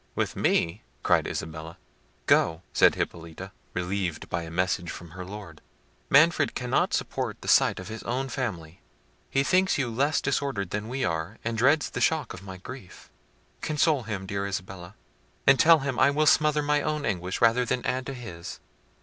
"With me!" cried Isabella. "Go," said Hippolita, relieved by a message from her Lord: "Manfred cannot support the sight of his own family. He thinks you less disordered than we are, and dreads the shock of my grief. Console him, dear Isabella, and tell him I will smother my own anguish rather than add to his."